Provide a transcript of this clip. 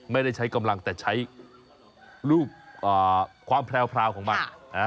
ไม่ได้ใช้กำลังแต่ใช้รูปความแพรวของมัน